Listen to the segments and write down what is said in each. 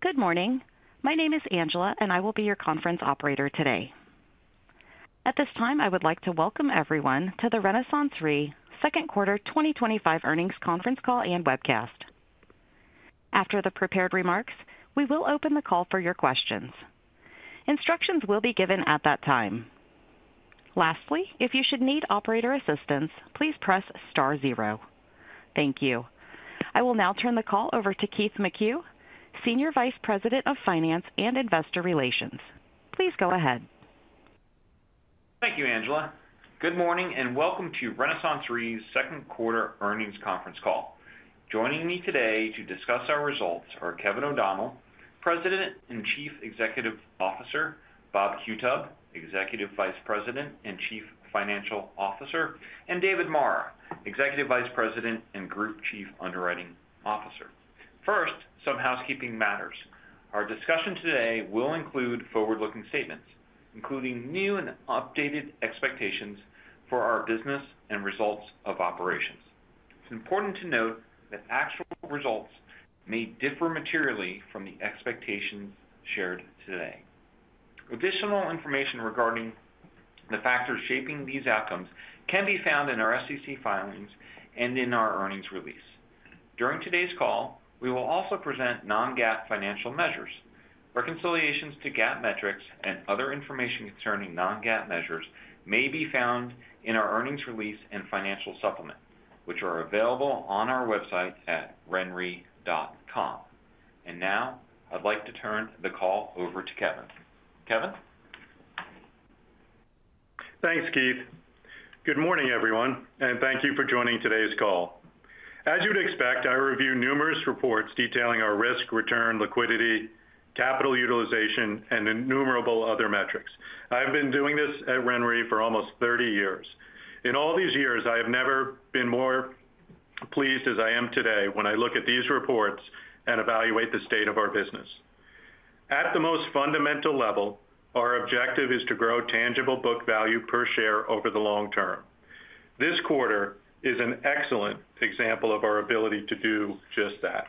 Good morning. My name is Angela, and I will be your conference operator today. At this time, I would like to welcome everyone to the RenaissanceRe Second Quarter 2025 Earnings Conference Call and webcast. After the prepared remarks, we will open the call for your questions. Instructions will be given at that time. Lastly, if you should need operator assistance, please press star zero. Thank you. I will now turn the call over to Keith McCue, Senior Vice President of Finance and Investor Relations. Please go ahead. Thank you, Angela. Good morning and welcome to RenaissanceRe Second Quarter Earnings Conference Call. Joining me today to discuss our results are Kevin O'Donnell, President and Chief Executive Officer, Bob Qutub, Executive Vice President and Chief Financial Officer, and David Marra, Executive Vice President and Group Chief Underwriting Officer. First, some housekeeping matters. Our discussion today will include forward-looking statements, including new and updated expectations for our business and results of operations. It's important to note that actual results may differ materially from the expectations shared today. Additional information regarding the factors shaping these outcomes can be found in our SEC filings and in our earnings release. During today's call, we will also present non-GAAP financial measures. Reconciliations to GAAP metrics and other information concerning non-GAAP measures may be found in our earnings release and financial supplement, which are available on our website at renre.com. Now, I'd like to turn the call over to Kevin. Kevin? Thanks, Keith. Good morning, everyone, and thank you for joining today's call. As you would expect, I review numerous reports detailing our risk, return, liquidity, capital utilization, and innumerable other metrics. I've been doing this at RenRe for almost 30 years. In all these years, I have never been more pleased as I am today when I look at these reports and evaluate the state of our business. At the most fundamental level, our objective is to grow tangible book value per share over the long term. This quarter is an excellent example of our ability to do just that.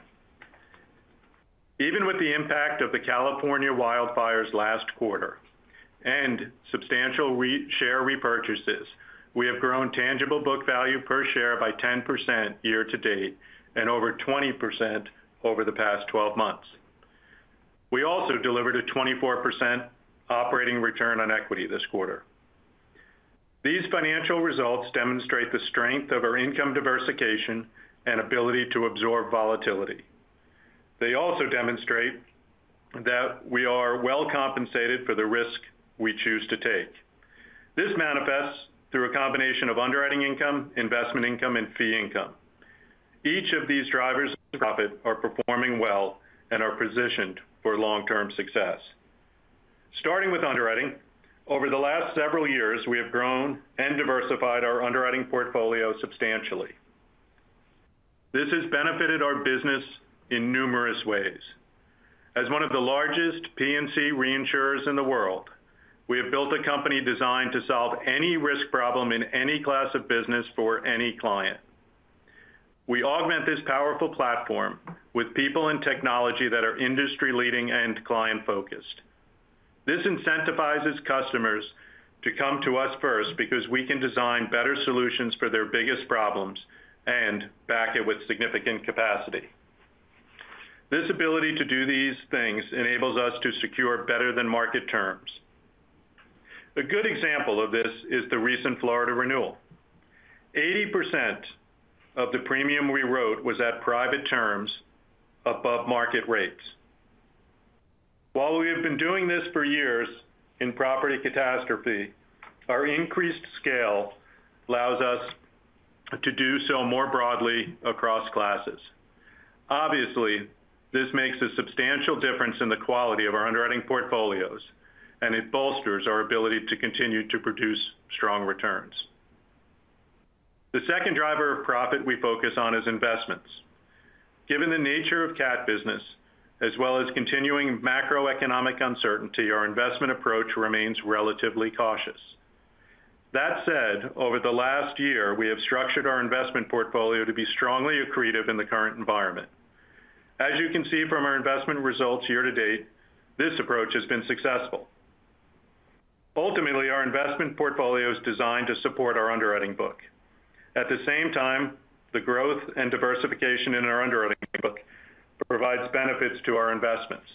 Even with the impact of the California wildfires last quarter and substantial share repurchases, we have grown tangible book value per share by 10% year-to-date and over 20% over the past 12 months. We also delivered a 24% operating return on equity this quarter. These financial results demonstrate the strength of our income diversification and ability to absorb volatility. They also demonstrate that we are well-compensated for the risk we choose to take. This manifests through a combination of underwriting income, investment income, and fee income. Each of these drivers of profit are performing well and are positioned for long-term success. Starting with underwriting, over the last several years, we have grown and diversified our underwriting portfolio substantially. This has benefited our business in numerous ways. As one of the largest P&C reinsurers in the world, we have built a company designed to solve any risk problem in any class of business for any client. We augment this powerful platform with people and technology that are industry-leading and client-focused. This incentivizes customers to come to us first because we can design better solutions for their biggest problems and back it with significant capacity. This ability to do these things enables us to secure better-than-market terms. A good example of this is the recent Florida renewal. 80% of the premium we wrote was at private terms above market rates. While we have been doing this for years in property catastrophe, our increased scale allows us to do so more broadly across classes. Obviously, this makes a substantial difference in the quality of our underwriting portfolios, and it bolsters our ability to continue to produce strong returns. The second driver of profit we focus on is investments. Given the nature of cat business, as well as continuing macroeconomic uncertainty, our investment approach remains relatively cautious. That said, over the last year, we have structured our investment portfolio to be strongly accretive in the current environment. As you can see from our investment results year-to-date, this approach has been successful. Ultimately, our investment portfolio is designed to support our underwriting book. At the same time, the growth and diversification in our underwriting book provides benefits to our investments.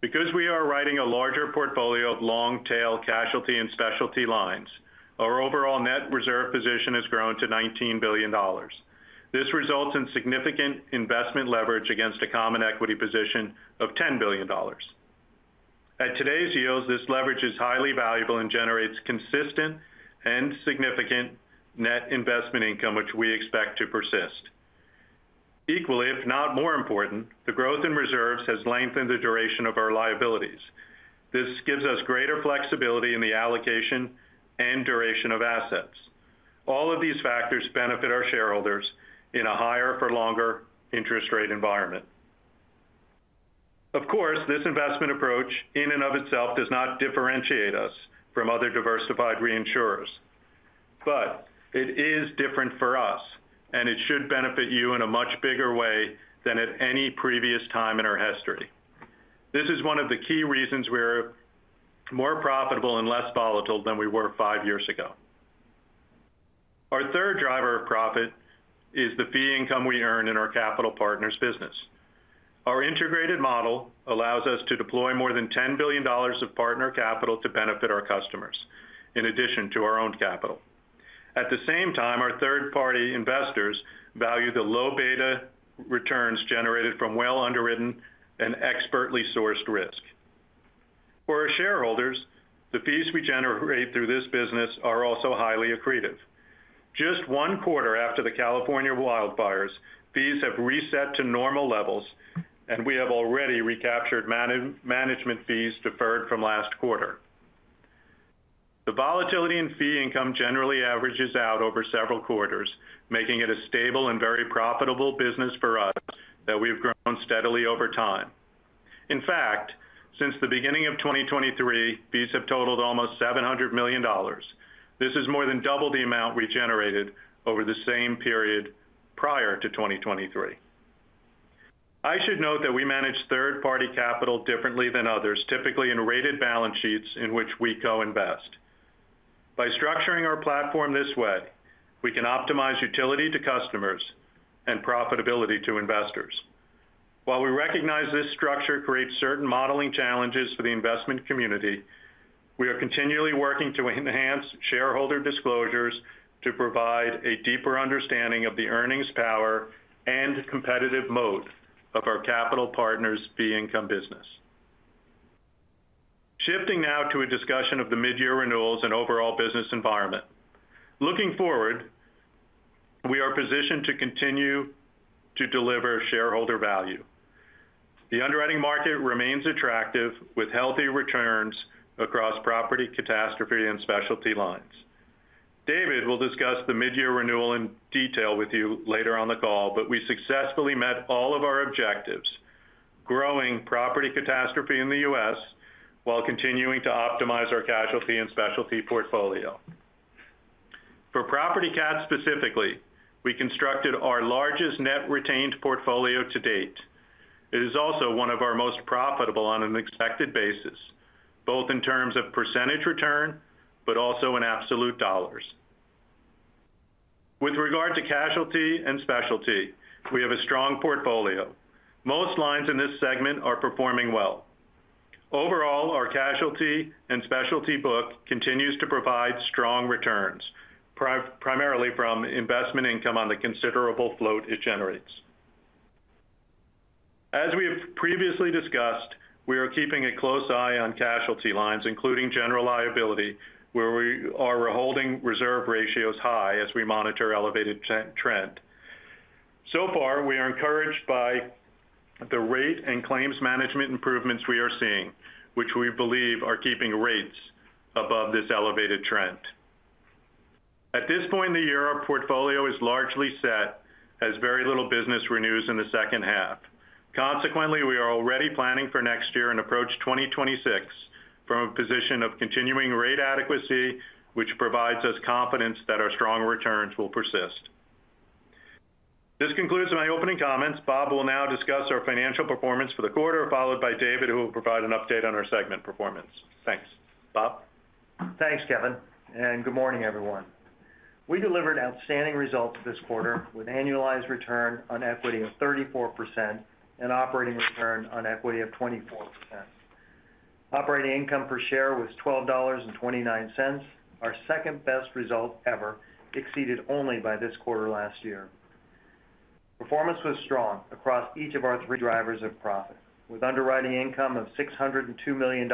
Because we are writing a larger portfolio of long-tail Casualty and Specialty lines, our overall net reserve position has grown to $19 billion. This results in significant investment leverage against a common equity position of $10 billion. At today's yields, this leverage is highly valuable and generates consistent and significant net investment income, which we expect to persist. Equally, if not more important, the growth in reserves has lengthened the duration of our liabilities. This gives us greater flexibility in the allocation and duration of assets. All of these factors benefit our shareholders in a higher-for-longer interest rate environment. Of course, this investment approach in and of itself does not differentiate us from other diversified reinsurers, but it is different for us, and it should benefit you in a much bigger way than at any previous time in our history. This is one of the key reasons we are more profitable and less volatile than we were five years ago. Our third driver of profit is the fee income we earn in our capital partners' business. Our integrated model allows us to deploy more than $10 billion of partner capital to benefit our customers, in addition to our own capital. At the same time, our third-party investors value the low beta returns generated from well-underwritten and expertly sourced risk. For our shareholders, the fees we generate through this business are also highly accretive. Just one quarter after the California wildfires, fees have reset to normal levels, and we have already recaptured management fees deferred from last quarter. The volatility in fee income generally averages out over several quarters, making it a stable and very profitable business for us that we've grown steadily over time. In fact, since the beginning of 2023, fees have totaled almost $700 million. This is more than double the amount we generated over the same period prior to 2023. I should note that we manage third-party capital differently than others, typically in rated balance sheets in which we co-invest. By structuring our platform this way, we can optimize utility to customers and profitability to investors. While we recognize this structure creates certain modeling challenges for the investment community, we are continually working to enhance shareholder disclosures to provide a deeper understanding of the earnings power and competitive moat of our capital partners' fee income business. Shifting now to a discussion of the mid-year renewals and overall business environment. Looking forward, we are positioned to continue to deliver shareholder value. The underwriting market remains attractive with healthy returns across property catastrophe and specialty lines. David will discuss the mid-year renewal in detail with you later on the call, but we successfully met all of our objectives: growing Property catastrophe in the U.S. while continuing to optimize our Casualty and Specialty portfolio. For Property cat specifically, we constructed our largest net retained portfolio to date. It is also one of our most profitable on an expected basis, both in terms of percentage return but also in absolute dollars. With regard to Casualty and Specialty, we have a strong portfolio. Most lines in this segment are performing well. Overall, our Casualty and Specialty book continues to provide strong returns, primarily from investment income on the considerable float it generates. As we have previously discussed, we are keeping a close eye on casualty lines, including general liability, where we are holding reserve ratios high as we monitor elevated trend. So far, we are encouraged by the rate and claims management improvements we are seeing, which we believe are keeping rates above this elevated trend. At this point in the year, our portfolio is largely set as very little business renews in the second half. Consequently, we are already planning for next year and approach 2026 from a position of continuing rate adequacy, which provides us confidence that our strong returns will persist. This concludes my opening comments. Bob will now discuss our financial performance for the quarter, followed by David, who will provide an update on our segment performance. Thanks, Bob. Thanks, Kevin. Good morning, everyone. We delivered outstanding results this quarter with annualized return on equity of 34% and operating return on equity of 24%. Operating income per share was $12.29, our second-best result ever, exceeded only by this quarter last year. Performance was strong across each of our three drivers of profit, with underwriting income of $602 million,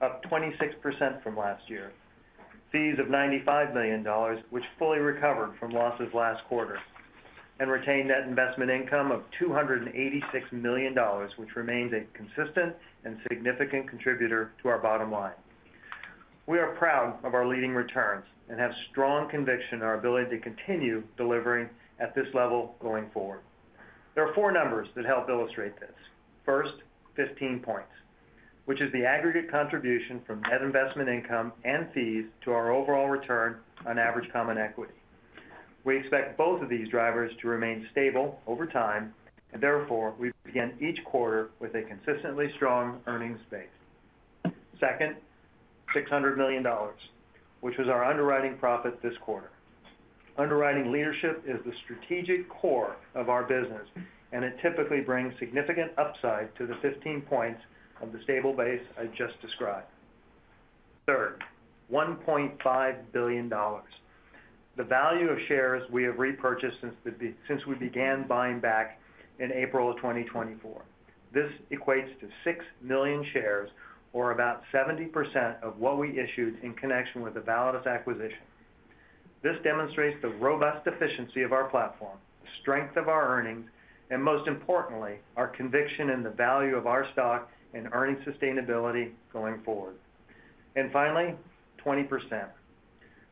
up 26% from last year, fees of $95 million, which fully recovered from losses last quarter, and retained net investment income of $286 million, which remains a consistent and significant contributor to our bottom line. We are proud of our leading returns and have strong conviction in our ability to continue delivering at this level going forward. There are four numbers that help illustrate this. First, 15 points, which is the aggregate contribution from net investment income and fees to our overall return on average common equity. We expect both of these drivers to remain stable over time, and therefore we begin each quarter with a consistently strong earnings base. Second, $600 million, which was our underwriting profit this quarter. Underwriting leadership is the strategic core of our business, and it typically brings significant upside to the 15 points of the stable base I just described. Third, $1.5 billion. The value of shares we have repurchased since we began buying back in April of 2024. This equates to 6 million shares, or about 70% of what we issued in connection with the Validus acquisition. This demonstrates the robust efficiency of our platform, the strength of our earnings, and most importantly, our conviction in the value of our stock and earning sustainability going forward. Finally, 20%.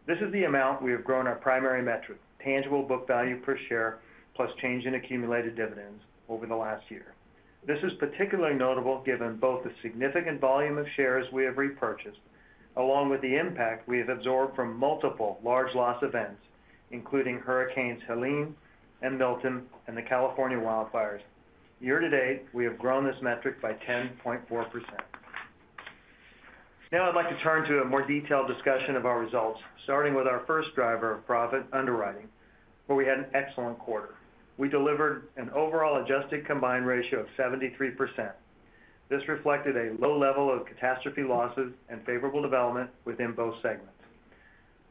This is the amount we have grown our primary metric, tangible book value per share plus change in accumulated dividends over the last year. This is particularly notable given both the significant volume of shares we have repurchased, along with the impact we have absorbed from multiple large loss events, including hurricanes Helene and Milton and the California wildfires. year-to-date, we have grown this metric by 10.4%. Now I would like to turn to a more detailed discussion of our results, starting with our first driver of profit, underwriting, where we had an excellent quarter. We delivered an overall adjusted combined ratio of 73%. This reflected a low level of catastrophe losses and favorable development within both segments.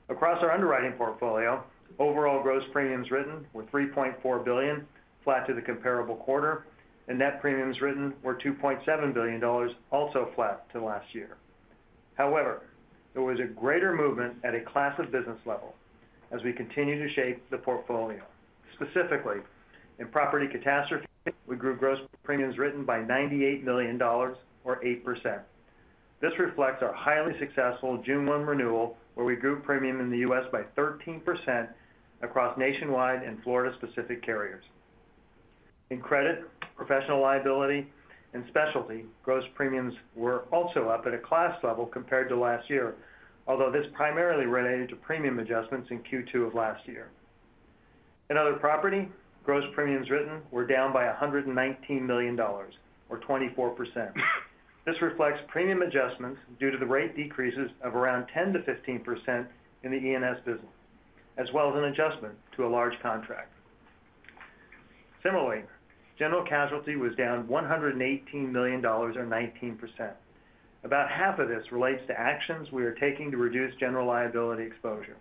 Across our underwriting portfolio, overall gross premiums written were $3.4 billion, flat to the comparable quarter, and net premiums written were $2.7 billion, also flat to last year. However, there was a greater movement at a class of business level as we continue to shape the portfolio. Specifically, in Property Catastrophe, we grew gross premiums written by $98 million, or 8%. This reflects our highly successful June 1 renewal, where we grew premium in the U.S. by 13% across nationwide and Florida-specific carriers. In credit, professional liability, and specialty, gross premiums were also up at a class level compared to last year, although this primarily related to premium adjustments in Q2 of last year. In other property, gross premiums written were down by $119 million, or 24%. This reflects premium adjustments due to the rate decreases of around 10%-15% in the E&S business, as well as an adjustment to a large contract. Similarly, general casualty was down $118 million, or 19%. About half of this relates to actions we are taking to reduce general liability exposure.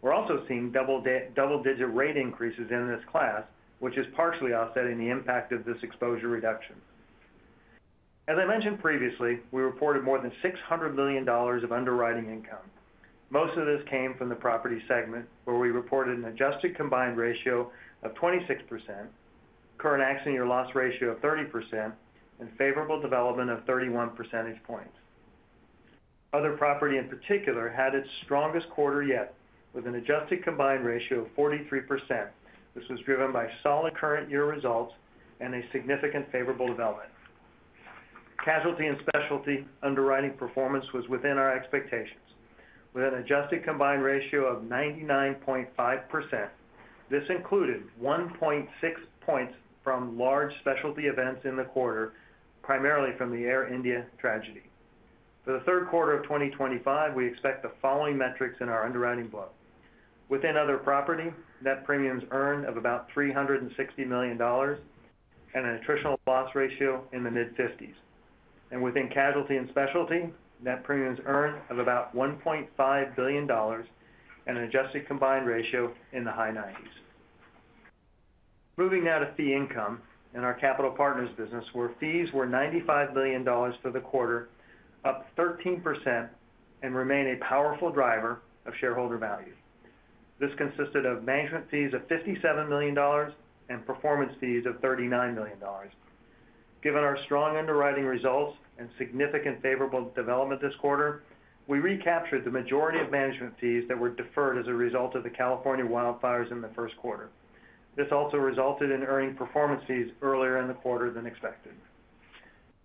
We're also seeing double-digit rate increases in this class, which is partially offsetting the impact of this exposure reduction. As I mentioned previously, we reported more than $600 million of underwriting income. Most of this came from the Property segment, where we reported an adjusted combined ratio of 26%, current accident year loss ratio of 30%, and favorable development of 31 percentage points. Other property in particular had its strongest quarter yet, with an adjusted combined ratio of 43%. This was driven by solid current year results and a significant favorable development. Casualty and Specialty underwriting performance was within our expectations, with an adjusted combined ratio of 99.5%. This included 1.6 points from large specialty events in the quarter, primarily from the Air India tragedy. For the third quarter of 2025, we expect the following metrics in our underwriting book: within other property, net premiums earned of about $360 million and an attritional loss ratio in the mid-50s. Within Casualty and Specialty, net premiums earned of about $1.5 billion and an adjusted combined ratio in the high 90s. Moving now to fee income in our capital partners' business, where fees were $95 million for the quarter, up 13%, and remain a powerful driver of shareholder value. This consisted of management fees of $57 million and performance fees of $39 million. Given our strong underwriting results and significant favorable development this quarter, we recaptured the majority of management fees that were deferred as a result of the California wildfires in the first quarter. This also resulted in earning performance fees earlier in the quarter than expected.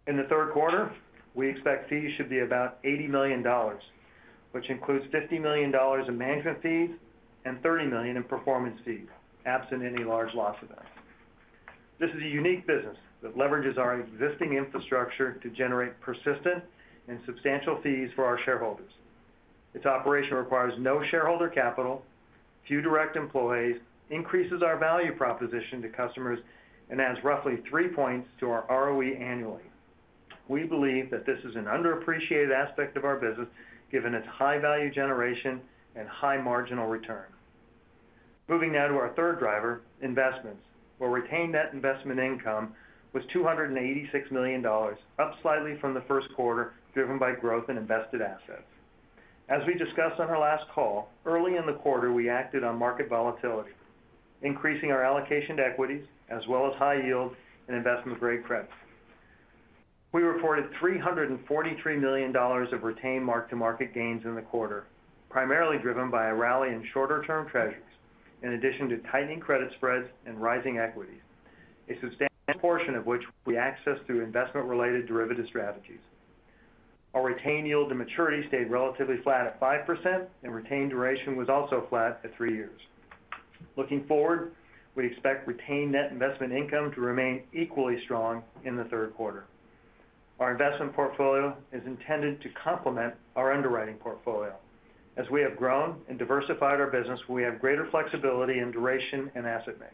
In the third quarter, we expect fees should be about $80 million, which includes $50 million in management fees and $30 million in performance fees, absent any large loss events. This is a unique business that leverages our existing infrastructure to generate persistent and substantial fees for our shareholders. Its operation requires no shareholder capital, few direct employees, increases our value proposition to customers, and adds roughly three points to our ROE annually. We believe that this is an underappreciated aspect of our business, given its high value generation and high marginal return. Moving now to our third driver, investments, where retained net investment income was $286 million, up slightly from the first quarter, driven by growth in invested assets. As we discussed on our last call, early in the quarter, we acted on market volatility, increasing our allocation to equities, as well as high yield and investment-grade credit. We reported $343 million of retained mark-to-market gains in the quarter, primarily driven by a rally in shorter-term treasuries, in addition to tightening credit spreads and rising equities, a substantial portion of which we accessed through investment-related derivative strategies. Our retained yield to maturity stayed relatively flat at 5%, and retained duration was also flat at three years. Looking forward, we expect retained net investment income to remain equally strong in the third quarter. Our investment portfolio is intended to complement our underwriting portfolio. As we have grown and diversified our business, we have greater flexibility in duration and asset mix,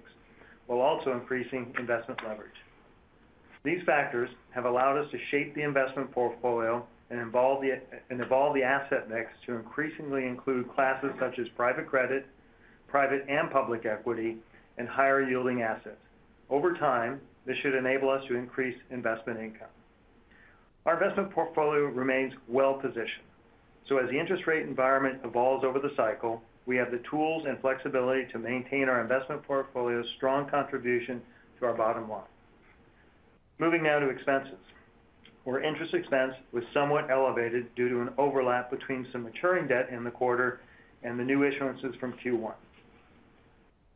while also increasing investment leverage. These factors have allowed us to shape the investment portfolio and evolve the asset mix to increasingly include classes such as private credit, private and public equity, and higher-yielding assets. Over time, this should enable us to increase investment income. Our investment portfolio remains well-positioned. As the interest rate environment evolves over the cycle, we have the tools and flexibility to maintain our investment portfolio's strong contribution to our bottom line. Moving now to expenses. Our interest expense was somewhat elevated due to an overlap between some maturing debt in the quarter and the new issuances from Q1.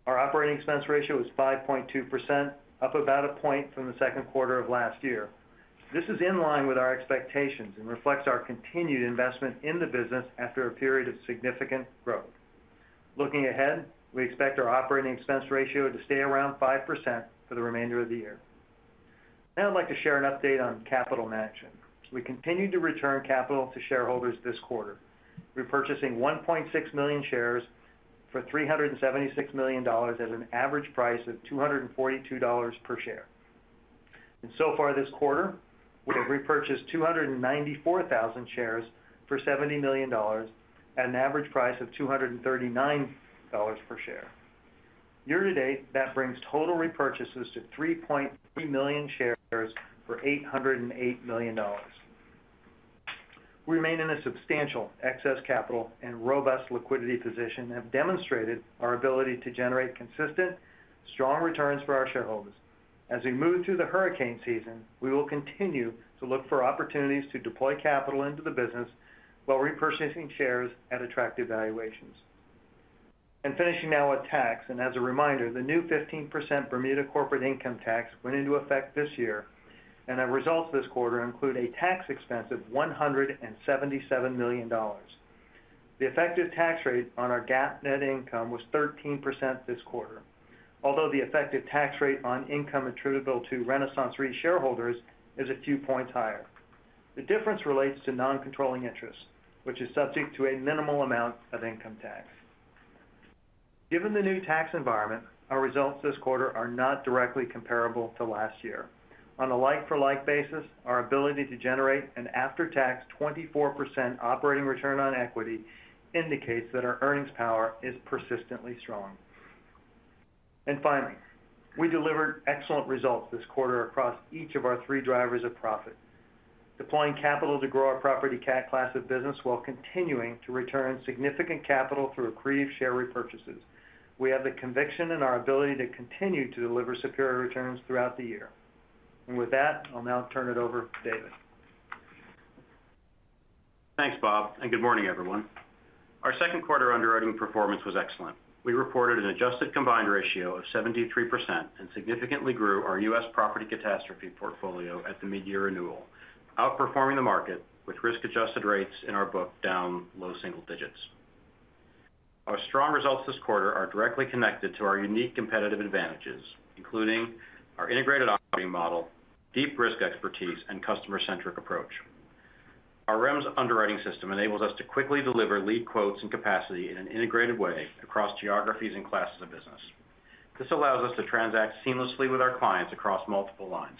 Our operating expense ratio was 5.2%, up about a point from the second quarter of last year. This is in line with our expectations and reflects our continued investment in the business after a period of significant growth. Looking ahead, we expect our operating expense ratio to stay around 5% for the remainder of the year. Now I'd like to share an update on capital management. We continue to return capital to shareholders this quarter, repurchasing 1.6 million shares for $376 million at an average price of $242 per share. So far this quarter, we have repurchased 294,000 shares for $70 million at an average price of $239 per share. year-to-date, that brings total repurchases to 3.3 million shares for $808 million. We remain in a substantial excess capital and robust liquidity position and have demonstrated our ability to generate consistent, strong returns for our shareholders. As we move through the hurricane season, we will continue to look for opportunities to deploy capital into the business while repurchasing shares at attractive valuations. Finishing now with tax, and as a reminder, the new 15% Bermuda Corporate Income Tax went into effect this year, and our results this quarter include a tax expense of $177 million. The effective tax rate on our GAAP net income was 13% this quarter, although the effective tax rate on income attributable to RenaissanceRe shareholders is a few points higher. The difference relates to non-controlling interest, which is subject to a minimal amount of income tax. Given the new tax environment, our results this quarter are not directly comparable to last year. On a like-for-like basis, our ability to generate an after-tax 24% operating return on equity indicates that our earnings power is persistently strong. Finally, we delivered excellent results this quarter across each of our three drivers of profit. Deploying capital to grow our property class of business while continuing to return significant capital through accretive share repurchases, we have the conviction in our ability to continue to deliver superior returns throughout the year. With that, I'll now turn it over to David. Thanks, Bob, and good morning, everyone. Our second quarter underwriting performance was excellent. We reported an adjusted combined ratio of 73% and significantly grew our U.S. property catastrophe portfolio at the mid-year renewal, outperforming the market with risk-adjusted rates in our book down low single-digits. Our strong results this quarter are directly connected to our unique competitive advantages, including our integrated operating model, deep risk expertise, and customer-centric approach. Our REMS underwriting system enables us to quickly deliver lead quotes and capacity in an integrated way across geographies and classes of business. This allows us to transact seamlessly with our clients across multiple lines.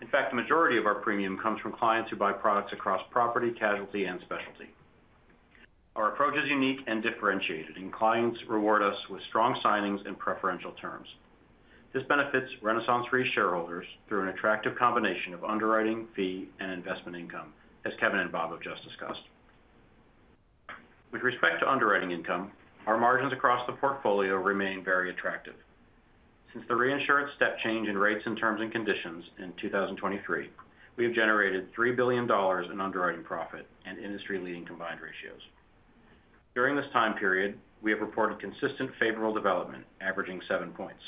In fact, the majority of our premium comes from clients who buy products across Property, Casualty, and Specialty. Our approach is unique and differentiated, and clients reward us with strong signings and preferential terms. This benefits RenaissanceRe shareholders through an attractive combination of underwriting, fee, and investment income, as Kevin and Bob have just discussed. With respect to underwriting income, our margins across the portfolio remain very attractive. Since the reinsurance step change in rates and terms and conditions in 2023, we have generated $3 billion in underwriting profit and industry-leading combined ratios. During this time period, we have reported consistent favorable development, averaging seven points.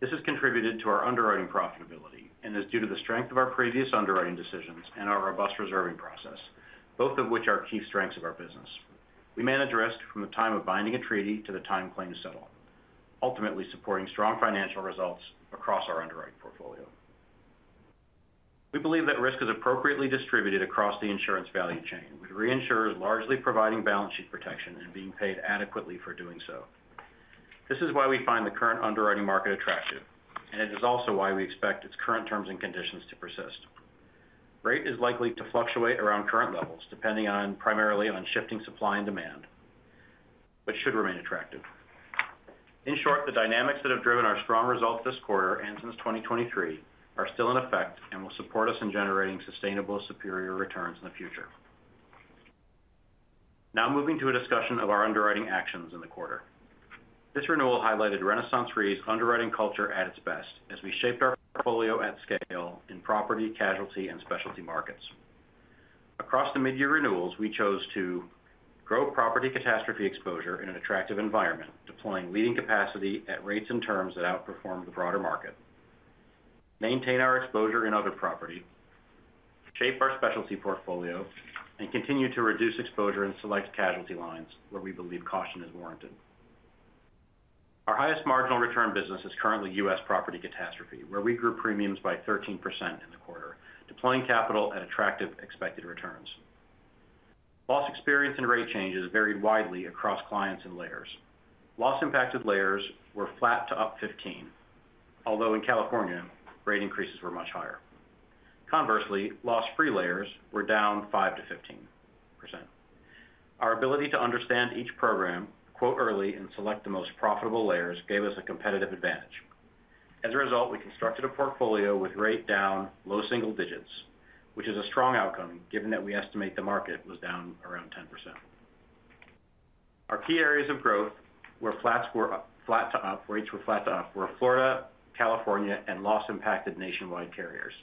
This has contributed to our underwriting profitability and is due to the strength of our previous underwriting decisions and our robust reserving process, both of which are key strengths of our business. We manage risk from the time of binding a treaty to the time claims settle, ultimately supporting strong financial results across our underwriting portfolio. We believe that risk is appropriately distributed across the insurance value chain, with reinsurers largely providing balance sheet protection and being paid adequately for doing so. This is why we find the current underwriting market attractive, and it is also why we expect its current terms and conditions to persist. Rate is likely to fluctuate around current levels, depending primarily on shifting supply and demand. It should remain attractive. In short, the dynamics that have driven our strong results this quarter and since 2023 are still in effect and will support us in generating sustainable, superior returns in the future. Now moving to a discussion of our underwriting actions in the quarter. This renewal highlighted RenaissanceRe's underwriting culture at its best as we shaped our portfolio at scale in property, casualty, and specialty markets. Across the mid-year renewals, we chose to grow Property Catastrophe exposure in an attractive environment, deploying leading capacity at rates and terms that outperform the broader market. Maintain our exposure in other property. Shape our specialty portfolio, and continue to reduce exposure in select casualty lines where we believe caution is warranted. Our highest marginal return business is currently U.S. Property Catastrophe, where we grew premiums by 13% in the quarter, deploying capital at attractive expected returns. Loss experience and rate changes varied widely across clients and layers. Loss-impacted layers were flat to up 15%, although in California, rate increases were much higher. Conversely, loss-free layers were down 5%-15%. Our ability to understand each program, quote early, and select the most profitable layers gave us a competitive advantage. As a result, we constructed a portfolio with rate down low single-digits, which is a strong outcome given that we estimate the market was down around 10%. Our key areas of growth were flat to up, where each were flat to up, were Florida, California, and loss-impacted nationwide carriers.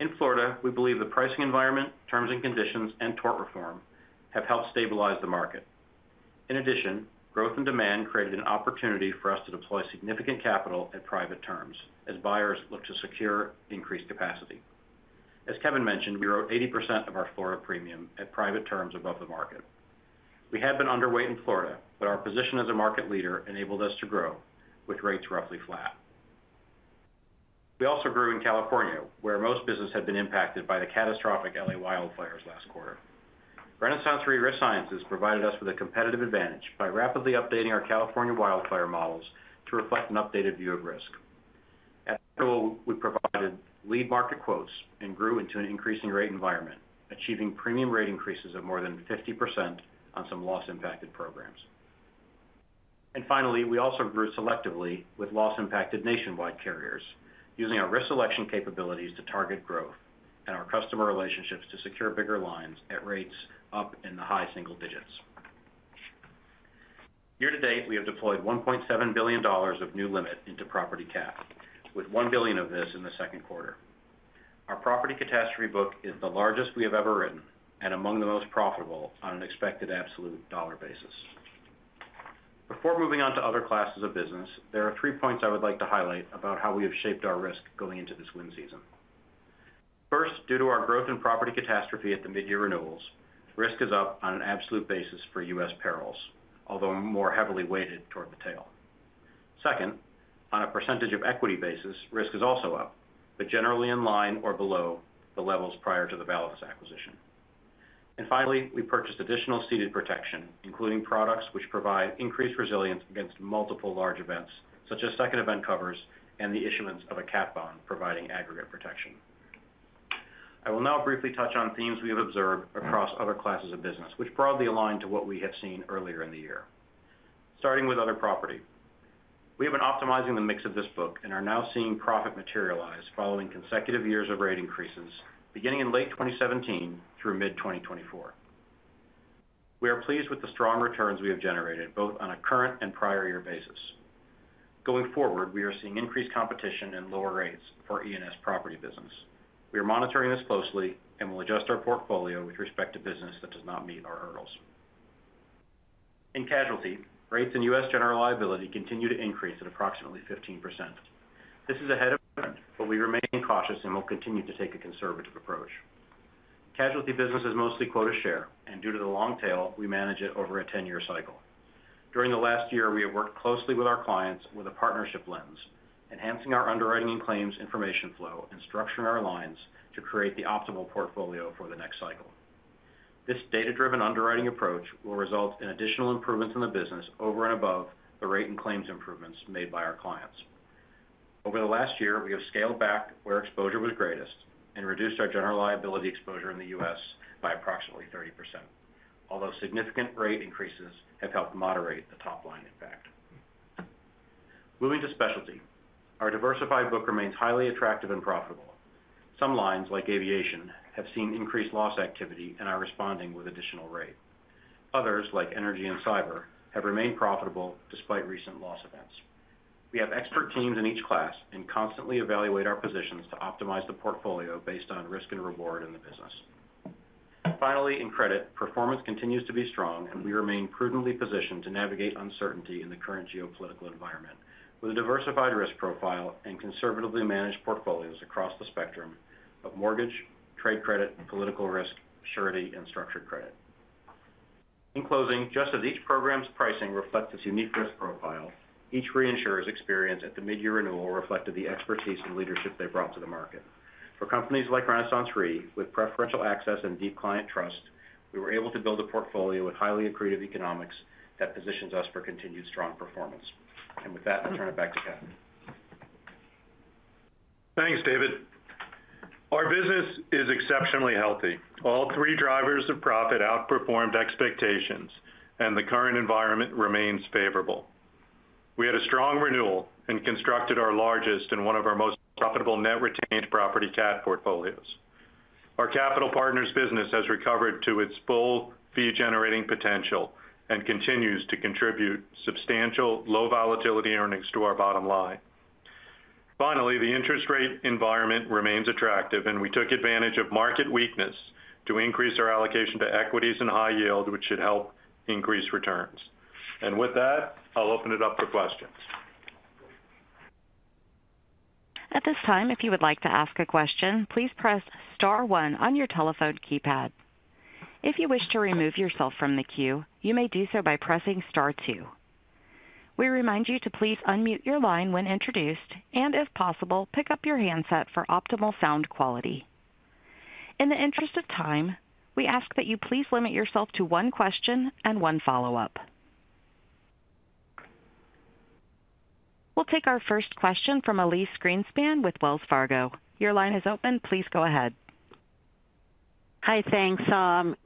In Florida, we believe the pricing environment, terms and conditions, and tort reform have helped stabilize the market. In addition, growth and demand created an opportunity for us to deploy significant capital at private terms as buyers look to secure increased capacity. As Kevin mentioned, we wrote 80% of our Florida premium at private terms above the market. We had been underweight in Florida, but our position as a market leader enabled us to grow with rates roughly flat. We also grew in California, where most business had been impacted by the catastrophic L.A. wildfires last quarter. RenaissanceRe Risk Sciences provided us with a competitive advantage by rapidly updating our California wildfire models to reflect an updated view of risk. At that level, we provided lead market quotes and grew into an increasing rate environment, achieving premium rate increases of more than 50% on some loss-impacted programs. Finally, we also grew selectively with loss-impacted nationwide carriers, using our risk selection capabilities to target growth and our customer relationships to secure bigger lines at rates up in the high single digits. year-to-date, we have deployed $1.7 billion of new limit into Property cat, with $1 billion of this in the second quarter. Our Property Catastrophe book is the largest we have ever written and among the most profitable on an expected absolute dollar basis. Before moving on to other classes of business, there are three points I would like to highlight about how we have shaped our risk going into this wind season. First, due to our growth in Property Catastrophe at the mid-year renewals, risk is up on an absolute basis for U.S. perils, although more heavily weighted toward the tail. Second, on a percentage of equity basis, risk is also up, but generally in line or below the levels prior to the Validus acquisition. Finally, we purchased additional ceded protection, including products which provide increased resilience against multiple large events, such as second event covers and the issuance of a cat bond providing aggregate protection. I will now briefly touch on themes we have observed across other classes of business, which broadly align to what we have seen earlier in the year. Starting with other property, we have been optimizing the mix of this book and are now seeing profit materialize following consecutive years of rate increases, beginning in late 2017 through mid-2024. We are pleased with the strong returns we have generated, both on a current and prior-year basis. Going forward, we are seeing increased competition and lower rates for E&S property business. We are monitoring this closely and will adjust our portfolio with respect to business that does not meet our hurdles. In casualty, rates in U.S. general liability continue to increase at approximately 15%. This is ahead of trend, but we remain cautious and will continue to take a conservative approach. Casualty business is mostly quota share, and due to the long tail, we manage it over a 10-year cycle. During the last year, we have worked closely with our clients with a partnership lens, enhancing our underwriting and claims information flow and structuring our lines to create the optimal portfolio for the next cycle. This data-driven underwriting approach will result in additional improvements in the business over and above the rate and claims improvements made by our clients. Over the last year, we have scaled back where exposure was greatest and reduced our general liability exposure in the U.S. by approximately 30%, although significant rate increases have helped moderate the top line impact. Moving to specialty, our diversified book remains highly attractive and profitable. Some lines, like aviation, have seen increased loss activity and are responding with additional rate. Others, like energy and cyber, have remained profitable despite recent loss events. We have expert teams in each class and constantly evaluate our positions to optimize the portfolio based on risk and reward in the business. Finally, in credit, performance continues to be strong, and we remain prudently positioned to navigate uncertainty in the current geopolitical environment with a diversified risk profile and conservatively managed portfolios across the spectrum of mortgage, trade credit, political risk, surety, and structured credit. In closing, just as each program's pricing reflects its unique risk profile, each reinsurer's experience at the mid-year renewal reflected the expertise and leadership they brought to the market. For companies like RenaissanceRe, with preferential access and deep client trust, we were able to build a portfolio with highly accretive economics that positions us for continued strong performance. With that, I turn it back to Kevin. Thanks, David. Our business is exceptionally healthy. All three drivers of profit outperformed expectations, and the current environment remains favorable. We had a strong renewal and constructed our largest and one of our most profitable net retained property cat portfolios. Our capital partners' business has recovered to its full fee-generating potential and continues to contribute substantial low-volatility earnings to our bottom line. Finally, the interest rate environment remains attractive, and we took advantage of market weakness to increase our allocation to equities and high yield, which should help increase returns. With that, I'll open it up for questions. At this time, if you would like to ask a question, please press star one on your telephone keypad. If you wish to remove yourself from the queue, you may do so by pressing star two. We remind you to please unmute your line when introduced and, if possible, pick up your handset for optimal sound quality. In the interest of time, we ask that you please limit yourself to one question and one follow-up. We'll take our first question from Elyse Greenspan with Wells Fargo. Your line is open. Please go ahead. Hi, thanks.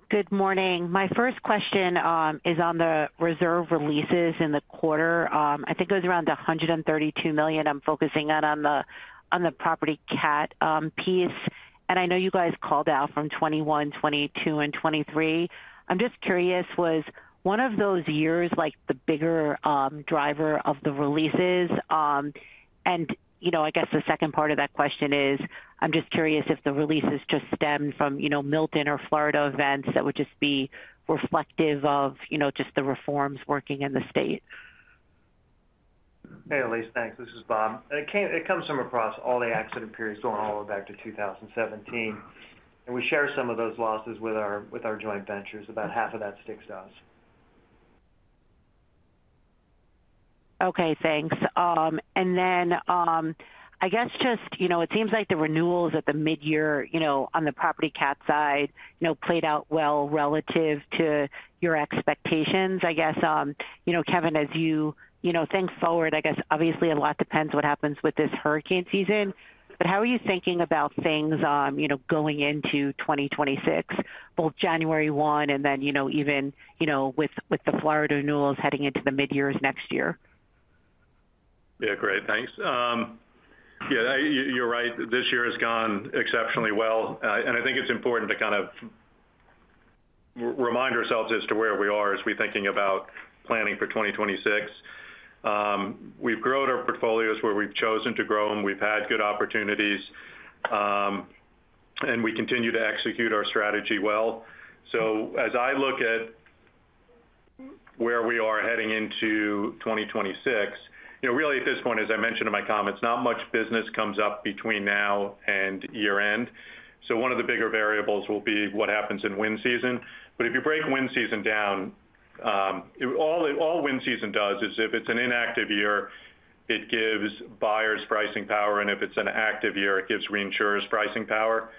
Good morning. My first question is on the reserve releases in the quarter. I think it was around $132 million. I'm focusing on the Property cat piece. I know you guys called out from 2021, 2022, and 2023. I'm just curious, was one of those years the bigger driver of the releases? I guess the second part of that question is, I'm just curious if the releases just stemmed from Milton or Florida events that would just be reflective of just the reforms working in the state. Hey, Elyse, thanks. This is Bob. It comes from across all the accident periods going all the way back to 2017. We share some of those losses with our joint ventures. About half of that sticks to us. Okay, thanks. I guess just it seems like the renewals at the mid-year on the Property cat side played out well relative to your expectations. I guess, Kevin, as you think forward, obviously a lot depends what happens with this hurricane season. How are you thinking about things going into 2026, both January 1 and then even with the Florida renewals heading into the mid-years next year? Yeah, great. Thanks. Yeah, you're right. This year has gone exceptionally well. I think it's important to kind of remind ourselves as to where we are as we're thinking about planning for 2026. We've grown our portfolios where we've chosen to grow them. We've had good opportunities. We continue to execute our strategy well. As I look at where we are heading into 2026, really at this point, as I mentioned in my comments, not much business comes up between now and year-end. One of the bigger variables will be what happens in wind season. If you break wind season down, all wind season does is if it's an inactive year, it gives buyers pricing power. If it's an active year, it gives reinsurers pricing power.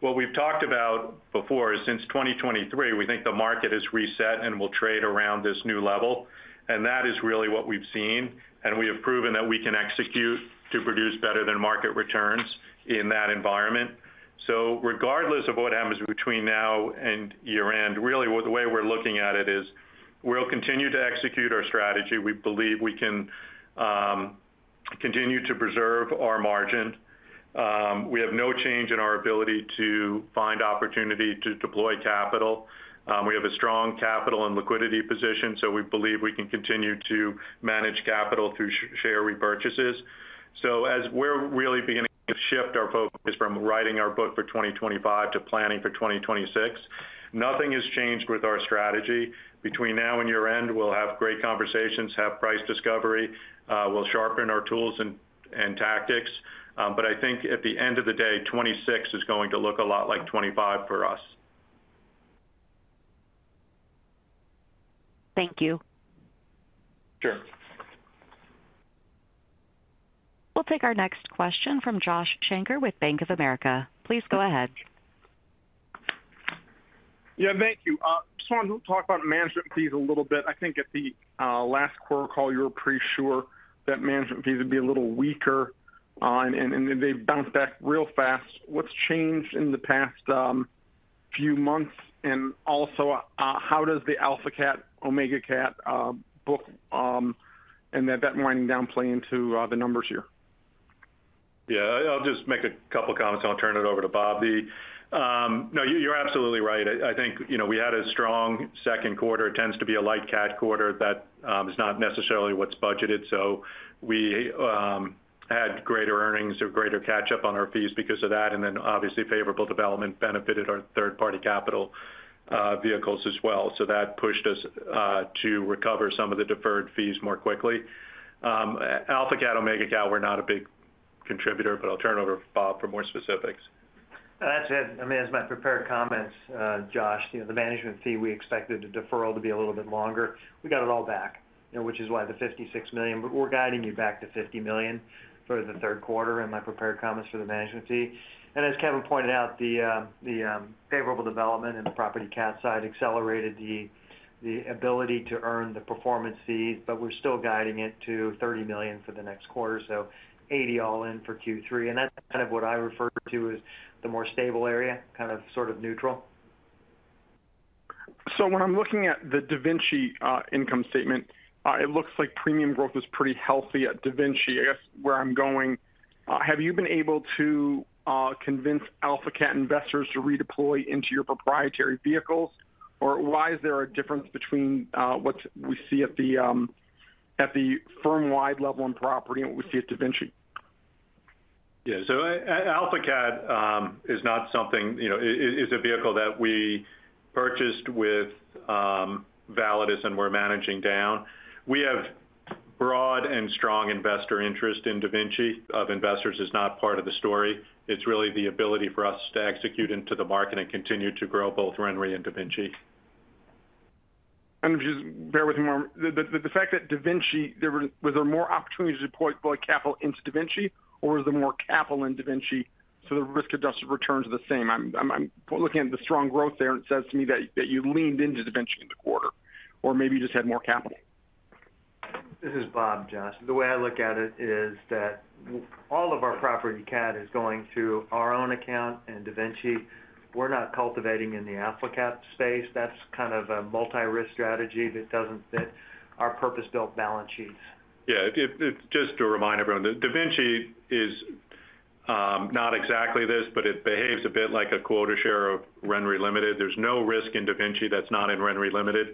What we've talked about before is since 2023, we think the market has reset and will trade around this new level. That is really what we've seen. We have proven that we can execute to produce better than market returns in that environment. Regardless of what happens between now and year-end, really the way we're looking at it is we'll continue to execute our strategy. We believe we can continue to preserve our margin. We have no change in our ability to find opportunity to deploy capital. We have a strong capital and liquidity position, so we believe we can continue to manage capital through share repurchases. As we're really beginning to shift our focus from writing our book for 2025 to planning for 2026, nothing has changed with our strategy. Between now and year-end, we'll have great conversations, have price discovery, we'll sharpen our tools and tactics. I think at the end of the day, 2026 is going to look a lot like 2025 for us. Thank you. Sure. We'll take our next question from Josh Shanker with Bank of America. Please go ahead. Yeah, thank you. I just wanted to talk about management fees a little bit. I think at the last quarter call, you were pretty sure that management fees would be a little weaker. They bounced back real fast. What has changed in the past few months? Also, how does the AlphaCat, OmegaCat book and that winding down play into the numbers here? Yeah, I'll just make a couple of comments, and I'll turn it over to Bob. No, you're absolutely right. I think we had a strong second quarter. It tends to be a light cat quarter. That is not necessarily what's budgeted. So we had greater earnings or greater catch-up on our fees because of that. Obviously, favorable development benefited our third-party capital vehicles as well. That pushed us to recover some of the deferred fees more quickly. AlphaCat, OmegaCat were not a big contributor, but I'll turn it over to Bob for more specifics. That's it. I mean, as my prepared comments, Josh, the management fee, we expected the deferral to be a little bit longer. We got it all back, which is why the $56 million. We are guiding you back to $50 million for the third quarter in my prepared comments for the management fee. As Kevin pointed out, the favorable development in the Property cat side accelerated the ability to earn the performance fees, but we are still guiding it to $30 million for the next quarter. $80 million all in for Q3. That is kind of what I refer to as the more stable area, kind of sort of neutral. When I'm looking at the DaVinci income statement, it looks like premium growth is pretty healthy at DaVinci. I guess where I'm going, have you been able to convince AlphaCat investors to redeploy into your proprietary vehicles? Or why is there a difference between what we see at the firm-wide level in property and what we see at DaVinci? Yeah. AlphaCat is not something, it's a vehicle that we purchased with Validus and we're managing down. We have broad and strong investor interest in DaVinci. Of investors is not part of the story. It's really the ability for us to execute into the market and continue to grow both RenRe and DaVinci. Just bear with me on the fact that DaVinci, was there more opportunity to deploy capital into DaVinci, or was there more capital in DaVinci? The risk-adjusted returns are the same. I'm looking at the strong growth there, and it says to me that you leaned into DaVinci in the quarter, or maybe you just had more capital. This is Bob, Josh. The way I look at it is that all of our property cat is going to our own account and DaVinci. We're not cultivating in the AlphaCat space. That's kind of a multi-risk strategy that doesn't fit our purpose-built balance sheets. Yeah. Just to remind everyone, DaVinci is, not exactly this, but it behaves a bit like a quota share of RenRe Limited. There's no risk in DaVinci that's not in RenRe Limited.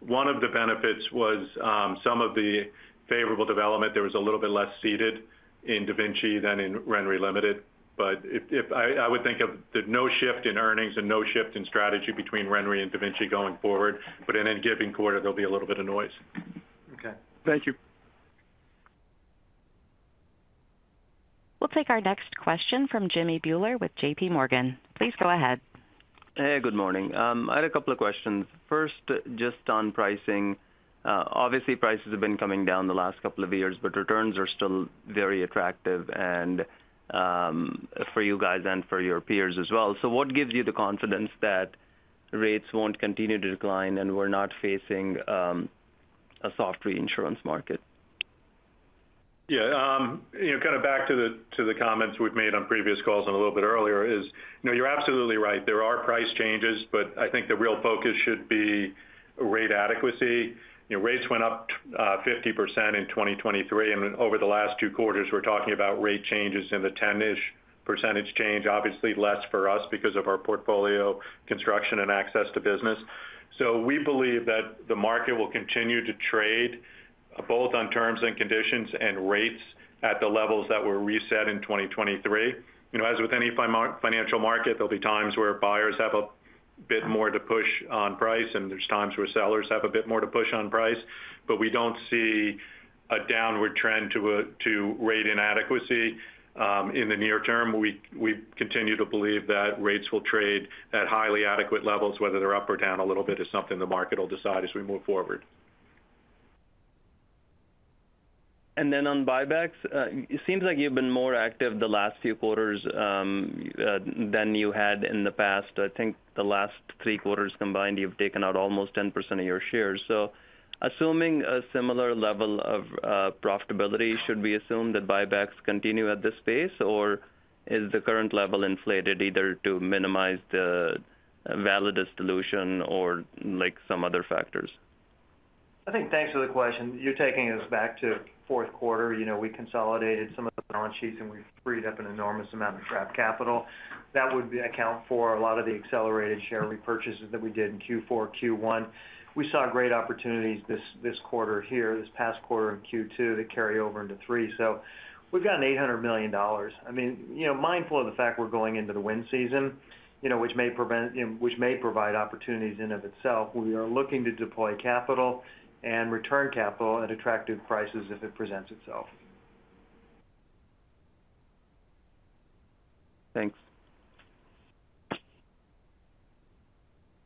One of the benefits was some of the favorable development. There was a little bit less ceded in DaVinci than in RenRe Limited. I would think of the no shift in earnings and no shift in strategy between RenRe and DaVinci going forward. In any given quarter, there'll be a little bit of noise. Okay. Thank you. We'll take our next question from Jimmy Bhullar with JPMorgan. Please go ahead. Hey, good morning. I had a couple of questions. First, just on pricing. Obviously, prices have been coming down the last couple of years, but returns are still very attractive and for you guys and for your peers as well. What gives you the confidence that rates won't continue to decline and we're not facing a soft reinsurance market? Yeah. Kind of back to the comments we've made on previous calls and a little bit earlier is you're absolutely right. There are price changes, but I think the real focus should be rate adequacy. Rates went up 50% in 2023. And over the last two quarters, we're talking about rate changes in the 10% range, obviously less for us because of our portfolio, construction, and access to business. We believe that the market will continue to trade both on terms and conditions and rates at the levels that were reset in 2023. As with any financial market, there'll be times where buyers have a bit more to push on price, and there's times where sellers have a bit more to push on price. We don't see a downward trend to rate inadequacy in the near term. We continue to believe that rates will trade at highly adequate levels, whether they're up or down a little bit is something the market will decide as we move forward. On buybacks, it seems like you've been more active the last few quarters than you had in the past. I think the last three quarters combined, you've taken out almost 10% of your shares. Assuming a similar level of profitability, should we assume that buybacks continue at this pace, or is the current level inflated either to minimize the Validus dilution or some other factors? I think thanks for the question. You're taking us back to fourth quarter. We consolidated some of the balance sheets, and we've freed up an enormous amount of trapped capital. That would account for a lot of the accelerated share repurchases that we did in Q4, Q1. We saw great opportunities this quarter here, this past quarter in Q2 that carry over into three. I mean, we've got an $800 million. Mindful of the fact we're going into the wind season, which may provide opportunities in and of itself, we are looking to deploy capital and return capital at attractive prices if it presents itself. Thanks.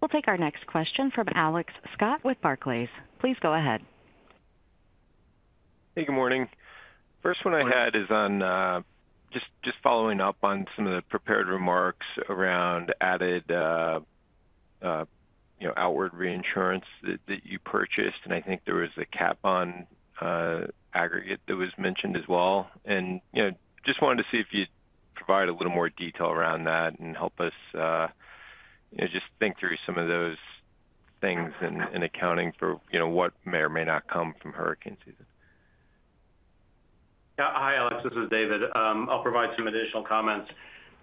We'll take our next question from Alex Scott with Barclays. Please go ahead. Hey, good morning. First one I had is just following up on some of the prepared remarks around added outward reinsurance that you purchased. I think there was a cat bonds aggregate that was mentioned as well. I just wanted to see if you'd provide a little more detail around that and help us just think through some of those things in accounting for what may or may not come from hurricane season. Hi, Alex. This is David. I'll provide some additional comments.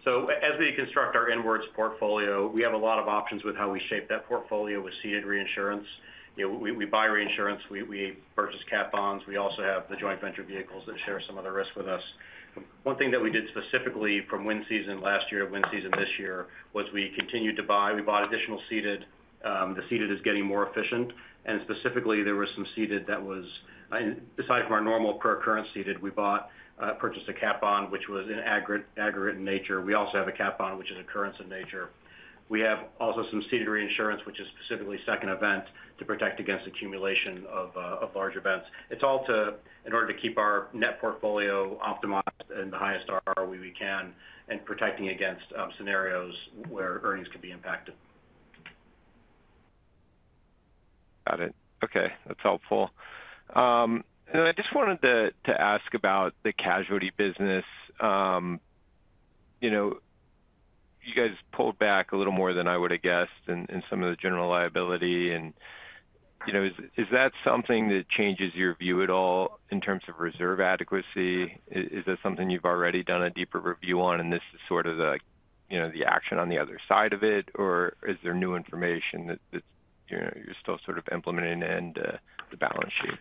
As we construct our inwards portfolio, we have a lot of options with how we shape that portfolio with ceded reinsurance. We buy reinsurance. We purchase cat bonds. We also have the joint venture vehicles that share some of the risk with us. One thing that we did specifically from wind season last year to wind season this year was we continued to buy. We bought additional ceded. The ceded is getting more efficient. Specifically, there was some ceded that was, aside from our normal per-current ceded, we bought, purchased a cat bond, which was aggregate in nature. We also have a cat bond, which is occurrence in nature. We have also some ceded reinsurance, which is specifically second event to protect against accumulation of large events. It's all in order to keep our net portfolio optimized and the highest ROE we can and protecting against scenarios where earnings could be impacted. Got it. Okay. That's helpful. I just wanted to ask about the casualty business. You guys pulled back a little more than I would have guessed in some of the general liability. Is that something that changes your view at all in terms of reserve adequacy? Is that something you've already done a deeper review on, and this is sort of the action on the other side of it? Or is there new information that you're still sort of implementing into the balance sheet?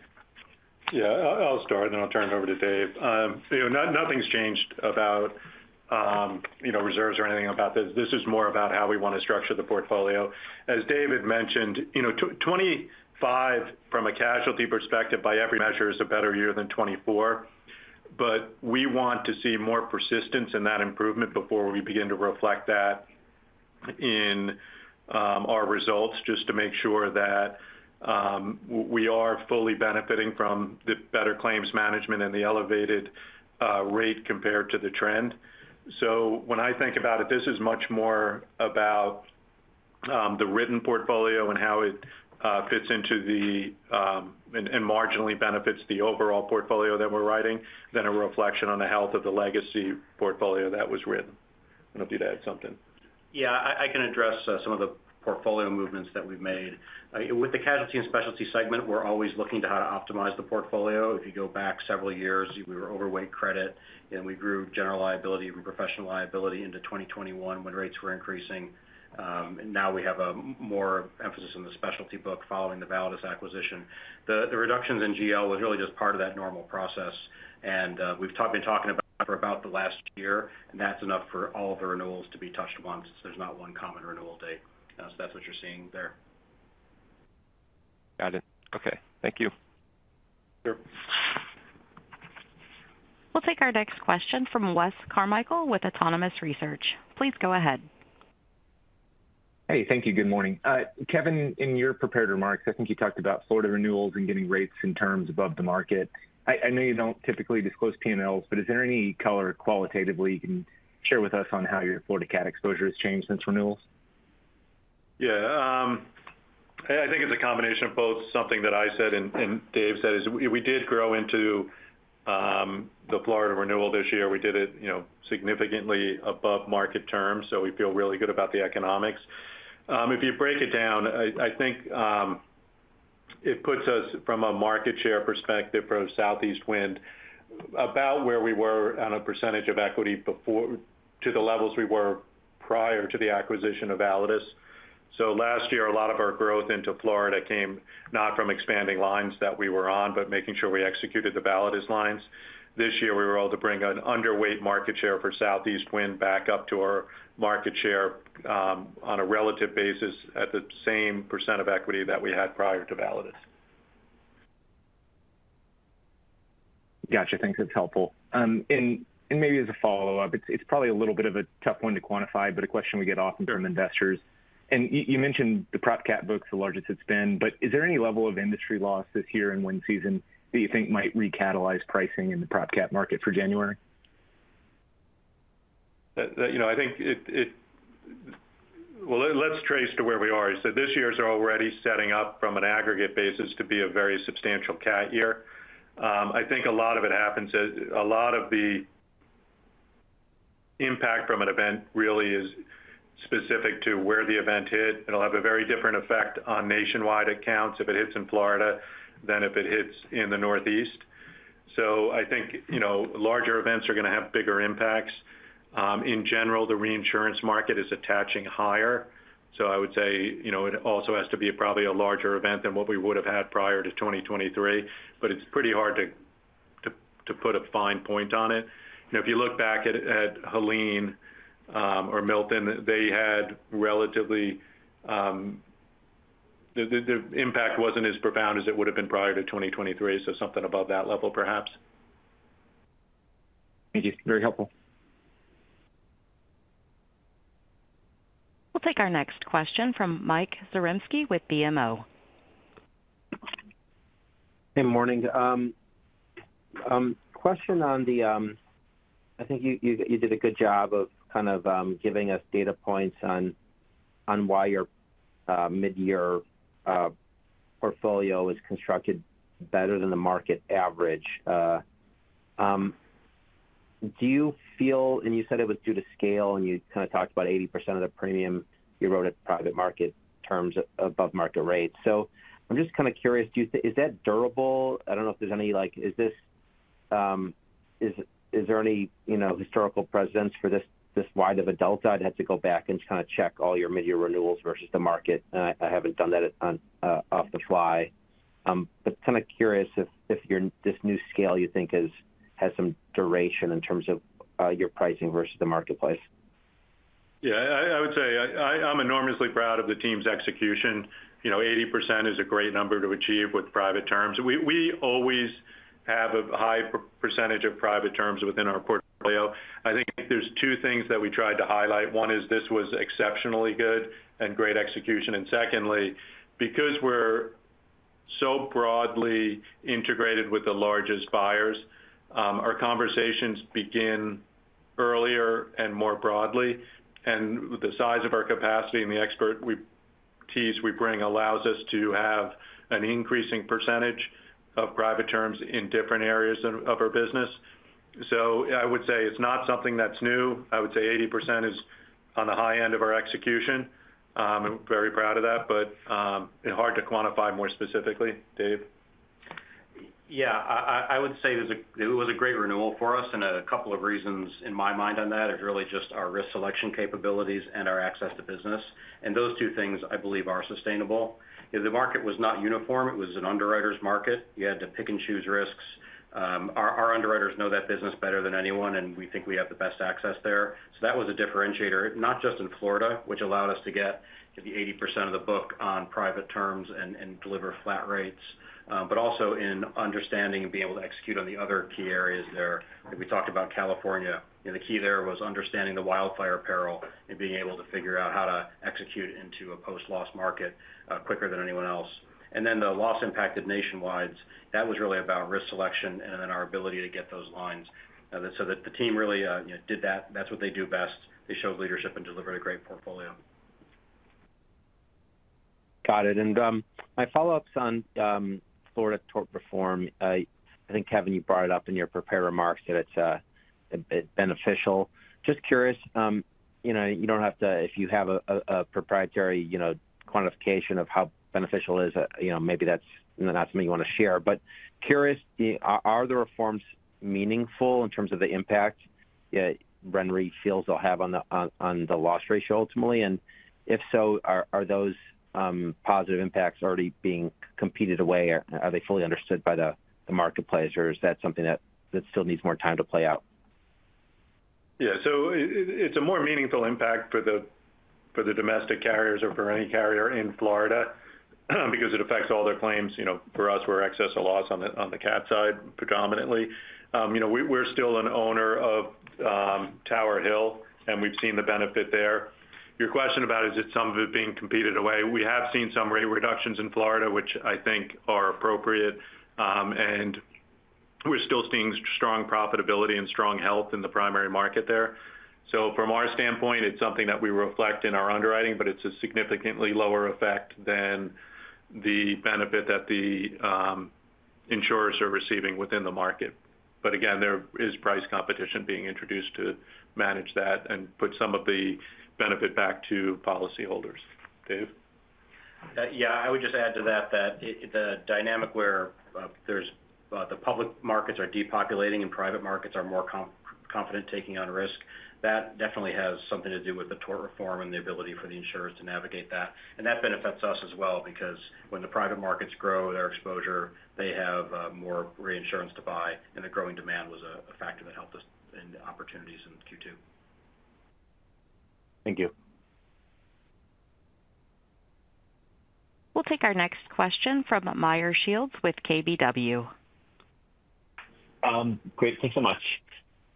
Yeah. I'll start, and then I'll turn it over to Dave. Nothing's changed about reserves or anything about this. This is more about how we want to structure the portfolio. As David mentioned, 2025 from a casualty perspective by every measure is a better year than 2024. We want to see more persistence in that improvement before we begin to reflect that in our results just to make sure that we are fully benefiting from the better claims management and the elevated rate compared to the trend. When I think about it, this is much more about the written portfolio and how it fits into and marginally benefits the overall portfolio that we're writing than a reflection on the health of the legacy portfolio that was written. I don't know if you'd add something. Yeah. I can address some of the portfolio movements that we've made. With the Casualty and Specialty segment, we're always looking to how to optimize the portfolio. If you go back several years, we were overweight credit, and we grew general liability and professional liability into 2021 when rates were increasing. Now we have more emphasis on the specialty book following the Validus acquisition. The reductions in GL was really just part of that normal process. We've been talking about it for about the last year, and that's enough for all of the renewals to be touched once. There's not one common renewal date. That's what you're seeing there. Got it. Okay. Thank you. Sure. We'll take our next question from Wes Carmichael with Autonomous Research. Please go ahead. Hey, thank you. Good morning. Kevin, in your prepared remarks, I think you talked about Florida renewals and getting rates in terms above the market. I know you don't typically disclose P&Ls, but is there any color qualitatively you can share with us on how your Florida cat exposure has changed since renewals? Yeah. I think it's a combination of both. Something that I said and Dave said is we did grow into the Florida renewal this year. We did it significantly above market terms, so we feel really good about the economics. If you break it down, I think it puts us from a market share perspective for Southeast Wind about where we were on a percentage of equity to the levels we were prior to the acquisition of Validus. Last year, a lot of our growth into Florida came not from expanding lines that we were on, but making sure we executed the Validus lines. This year, we were able to bring an underweight market share for Southeast Wind back up to our market share on a relative basis at the same percent of equity that we had prior to Validus. Gotcha. Thanks. That's helpful. Maybe as a follow-up, it's probably a little bit of a tough one to quantify, but a question we get often from investors. You mentioned the prop cat book's the largest it's been, but is there any level of industry loss this year in wind season that you think might recatalyze pricing in the prop cat market for January? I think. Let's trace to where we are. This year is already setting up from an aggregate basis to be a very substantial cat year. I think a lot of it happens to a lot of the impact from an event really is specific to where the event hit. It'll have a very different effect on nationwide accounts if it hits in Florida than if it hits in the Northeast. I think larger events are going to have bigger impacts. In general, the reinsurance market is attaching higher. I would say it also has to be probably a larger event than what we would have had prior to 2023, but it's pretty hard to put a fine point on it. If you look back at Helene or Milton, they had relatively—the impact was not as profound as it would have been prior to 2023, so something above that level perhaps. Thank you. Very helpful. We'll take our next question from Mike Zaremski with BMO. Hey, morning. Question on the. I think you did a good job of kind of giving us data points on. Why your mid-year. Portfolio was constructed better than the market average. Do you feel, and you said it was due to scale, and you kind of talked about 80% of the premium you wrote at private market terms above market rate. I'm just kind of curious, is that durable? I don't know if there's any, is there. Any historical presence for this wide of a delta? I'd have to go back and kind of check all your mid-year renewals versus the market. I haven't done that off the fly. Kind of curious if this new scale you think has some duration in terms of your pricing versus the marketplace. Yeah. I would say I'm enormously proud of the team's execution. 80% is a great number to achieve with private terms. We always have a high percentage of private terms within our portfolio. I think there are two things that we tried to highlight. One is this was exceptionally good and great execution. Secondly, because we're so broadly integrated with the largest buyers, our conversations begin earlier and more broadly. The size of our capacity and the expertise we bring allows us to have an increasing percentage of private terms in different areas of our business. I would say it's not something that's new. I would say 80% is on the high end of our execution. I'm very proud of that, but hard to quantify more specifically, Dave. Yeah. I would say it was a great renewal for us. A couple of reasons in my mind on that is really just our risk selection capabilities and our access to business. Those two things, I believe, are sustainable. The market was not uniform. It was an underwriter's market. You had to pick and choose risks. Our underwriters know that business better than anyone, and we think we have the best access there. That was a differentiator, not just in Florida, which allowed us to get to the 80% of the book on private terms and deliver flat rates, but also in understanding and being able to execute on the other key areas there. We talked about California. The key there was understanding the wildfire peril and being able to figure out how to execute into a post-loss market quicker than anyone else. The loss impacted nationwides, that was really about risk selection and then our ability to get those lines. The team really did that. That's what they do best. They showed leadership and delivered a great portfolio. Got it. My follow-up is on Florida tort reform. I think, Kevin, you brought it up in your prepared remarks that it's beneficial. Just curious, you don't have to, if you have a proprietary quantification of how beneficial it is, maybe that's not something you want to share. Curious, are the reforms meaningful in terms of the impact RenRe feels they'll have on the loss ratio ultimately? If so, are those positive impacts already being competed away? Are they fully understood by the marketplace, or is that something that still needs more time to play out? Yeah. It is a more meaningful impact for the domestic carriers or for any carrier in Florida because it affects all their claims. For us, we are excess of loss on the cat side predominantly. We are still an owner of Tower Hill, and we have seen the benefit there. Your question about is it some of it being competed away? We have seen some rate reductions in Florida, which I think are appropriate. We are still seeing strong profitability and strong health in the primary market there. From our standpoint, it is something that we reflect in our underwriting, but it is a significantly lower effect than the benefit that the insurers are receiving within the market. There is price competition being introduced to manage that and put some of the benefit back to policyholders. Dave? Yeah. I would just add to that that the dynamic where the public markets are depopulating and private markets are more confident taking on risk, that definitely has something to do with the tort reform and the ability for the insurers to navigate that. That benefits us as well because when the private markets grow their exposure, they have more reinsurance to buy, and the growing demand was a factor that helped us in opportunities in Q2. Thank you. We'll take our next question from Meyer Shields with KBW. Great. Thanks so much.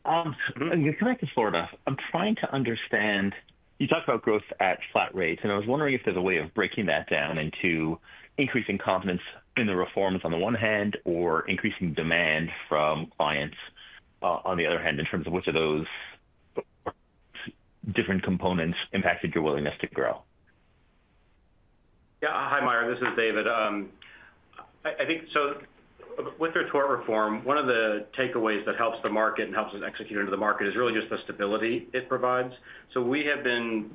I'm connected to Florida. I'm trying to understand. You talked about growth at flat rates, and I was wondering if there's a way of breaking that down into increasing confidence in the reforms on the one hand or increasing demand from clients on the other hand in terms of which of those different components impacted your willingness to grow? Yeah. Hi, Meyer. This is David. I think so. With their tort reform, one of the takeaways that helps the market and helps us execute into the market is really just the stability it provides. We have been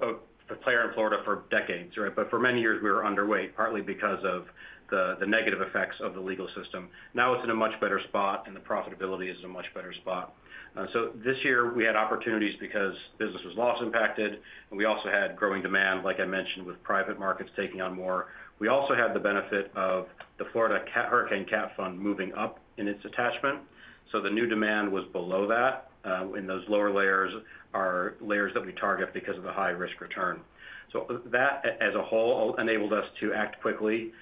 a player in Florida for decades, right? For many years, we were underweight, partly because of the negative effects of the legal system. Now it is in a much better spot, and the profitability is in a much better spot. This year, we had opportunities because business was loss impacted, and we also had growing demand, like I mentioned, with private markets taking on more. We also had the benefit of the Florida Hurricane Cat Fund moving up in its attachment. The new demand was below that. In those lower layers are layers that we target because of the high risk return. That as a whole enabled us to act quickly.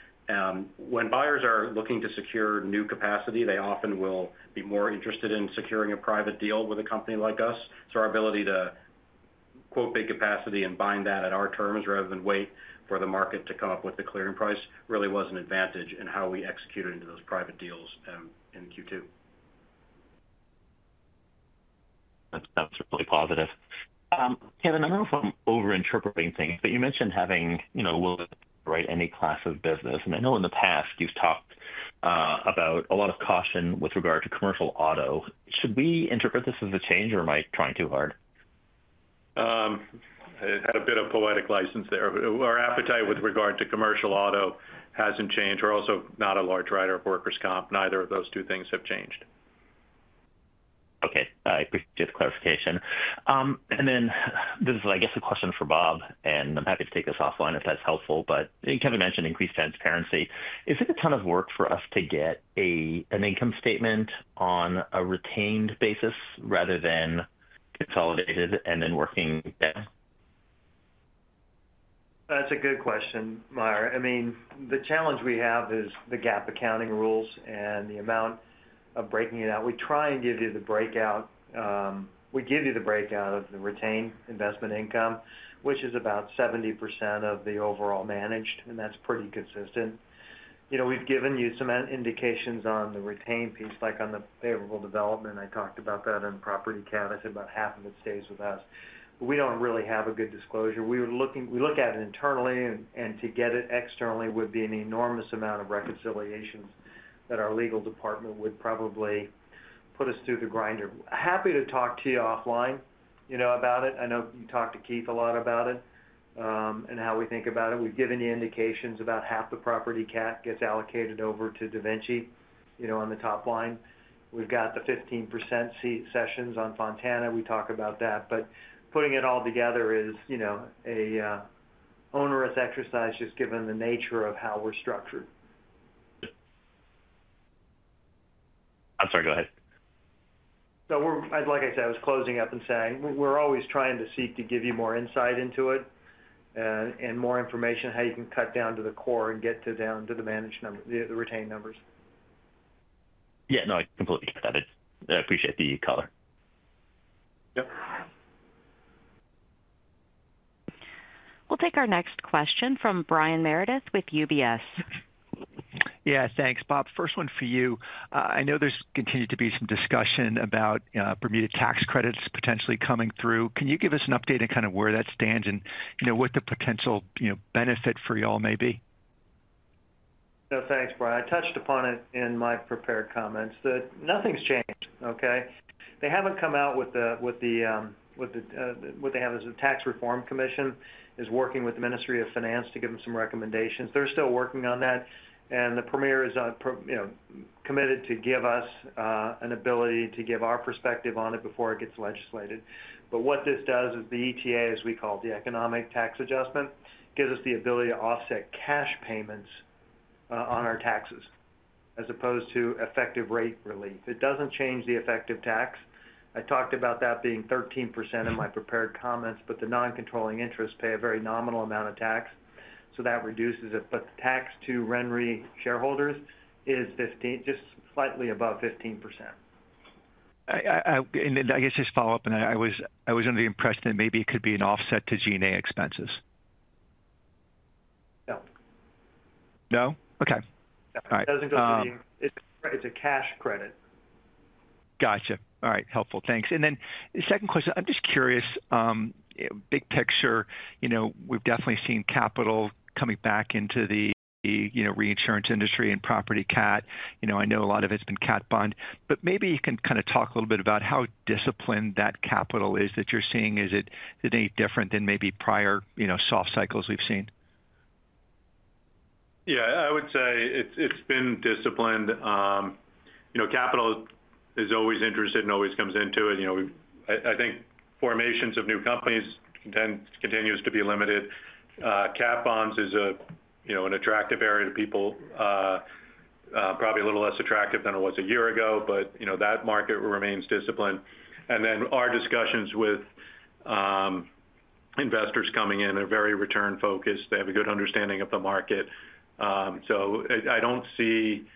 When buyers are looking to secure new capacity, they often will be more interested in securing a private deal with a company like us. Our ability to quote big capacity and bind that at our terms rather than wait for the market to come up with the clearing price really was an advantage in how we executed into those private deals in Q2. That's certainly positive. Kevin, I don't know if I'm over-interpreting things, but you mentioned having willingness to underwrite any class of business. I know in the past you've talked about a lot of caution with regard to commercial auto. Should we interpret this as a change, or am I trying too hard? I had a bit of poetic license there. Our appetite with regard to commercial auto hasn't changed. We're also not a large writer of workers' comp. Neither of those two things have changed. Okay. I appreciate the clarification. This is, I guess, a question for Bob, and I'm happy to take this offline if that's helpful. Kevin mentioned increased transparency. Is it a ton of work for us to get an income statement on a retained basis rather than consolidated and then working down? That's a good question, Meyer. I mean, the challenge we have is the GAAP accounting rules and the amount of breaking it out. We try and give you the breakout. We give you the breakout of the retained investment income, which is about 70% of the overall managed, and that's pretty consistent. We've given you some indications on the retained piece, like on the favorable development. I talked about that in property cat. I said about half of it stays with us. We don't really have a good disclosure. We look at it internally, and to get it externally would be an enormous amount of reconciliations that our legal department would probably put us through the grinder. Happy to talk to you offline about it. I know you talked to Keith a lot about it. And how we think about it. We've given you indications about half the property cat gets allocated over to DaVinci on the top line. We've got the 15% sessions on Fontana. We talk about that. Putting it all together is an onerous exercise just given the nature of how we're structured. I'm sorry. Go ahead. Like I said, I was closing up and saying we're always trying to seek to give you more insight into it, and more information on how you can cut down to the core and get down to the retained numbers. Yeah. No, I completely get that. I appreciate the color. We'll take our next question from Brian Meredith with UBS. Yeah. Thanks, Bob. First one for you. I know there's continued to be some discussion about Bermuda tax credits potentially coming through. Can you give us an update on kind of where that stands and what the potential benefit for y'all may be? No, thanks, Brian. I touched upon it in my prepared comments that nothing's changed, okay? They haven't come out with the. What they have as a tax reform commission is working with the Ministry of Finance to give them some recommendations. They're still working on that. The premier is committed to give us an ability to give our perspective on it before it gets legislated. What this does is the ETA, as we call it, the economic tax adjustment, gives us the ability to offset cash payments on our taxes as opposed to effective rate relief. It doesn't change the effective tax. I talked about that being 13% in my prepared comments, but the non-controlling interest pay a very nominal amount of tax. That reduces it. The tax to RenRE shareholders is just slightly above 15%. I guess just follow-up, and I was under the impression that maybe it could be an offset to G&A expenses. No. No? Okay. All right. It doesn't go to the—it’s a cash credit. Gotcha. All right. Helpful. Thanks. Then second question, I'm just curious. Big picture, we've definitely seen capital coming back into the reinsurance industry and property cat. I know a lot of it's been cat bond. Maybe you can kind of talk a little bit about how disciplined that capital is that you're seeing. Is it any different than maybe prior soft cycles we've seen? Yeah. I would say it's been disciplined. Capital is always interested and always comes into it. I think formations of new companies continue to be limited. Cat bonds is an attractive area to people. Probably a little less attractive than it was a year ago, but that market remains disciplined. Our discussions with investors coming in are very return-focused. They have a good understanding of the market. I don't see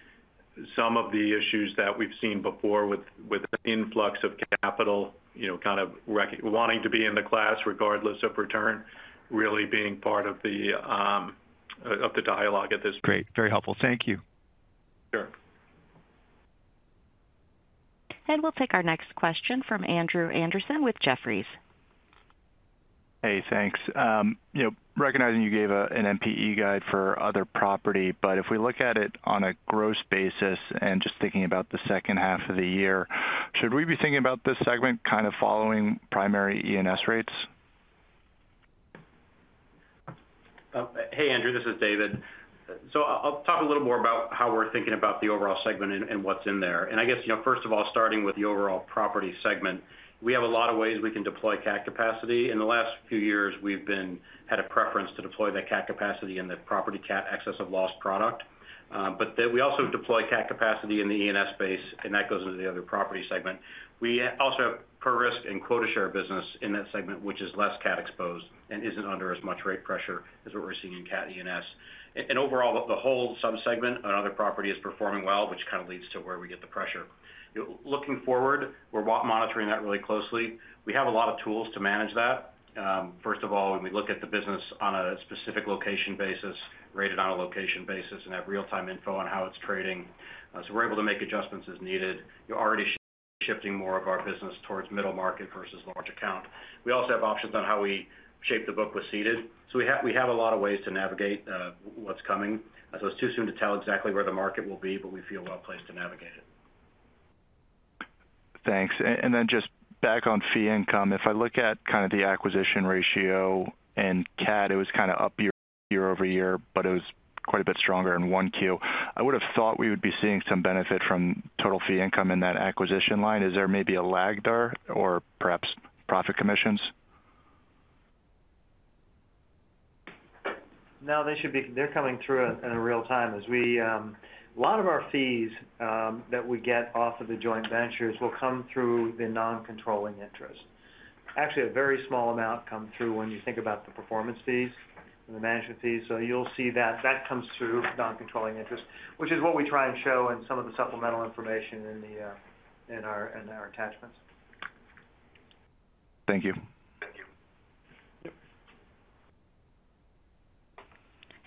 some of the issues that we've seen before with the influx of capital kind of wanting to be in the class regardless of return really being part of the dialogue at this. Great. Very helpful. Thank you. Sure. We will take our next question from Andrew Andersen with Jefferies. Hey, thanks. Recognizing you gave an MPE guide for other property, but if we look at it on a gross basis and just thinking about the second half of the year, should we be thinking about this segment kind of following primary E&S rates? Hey, Andrew. This is David. So I'll talk a little more about how we're thinking about the overall segment and what's in there. I guess, first of all, starting with the overall Property segment, we have a lot of ways we can deploy cat capacity. In the last few years, we've had a preference to deploy that cat capacity in the property cat excess of loss product. We also deploy cat capacity in the E&S space, and that goes into the Other Property segment. We also have pro-risk and quota share business in that segment, which is less cat-exposed and isn't under as much rate pressure as what we're seeing in cat E&S. Overall, the whole subsegment on other property is performing well, which kind of leads to where we get the pressure. Looking forward, we're monitoring that really closely. We have a lot of tools to manage that. First of all, when we look at the business on a specific location basis, rated on a location basis, and have real-time info on how it's trading. We're able to make adjustments as needed. Already shifting more of our business towards middle market versus large account. We also have options on how we shape the book with ceded. We have a lot of ways to navigate what's coming. It's too soon to tell exactly where the market will be, but we feel well placed to navigate it. Thanks. And then just back on fee income, if I look at kind of the acquisition ratio and cat, it was kind of up year-over-year, but it was quite a bit stronger in 1Q. I would have thought we would be seeing some benefit from total fee income in that acquisition line. Is there maybe a lag there or perhaps profit commissions? No, they should be—they're coming through in real time. A lot of our fees that we get off of the joint ventures will come through the non-controlling interest. Actually, a very small amount comes through when you think about the performance fees and the management fees. You will see that that comes through non-controlling interest, which is what we try and show in some of the supplemental information in our attachments. Thank you.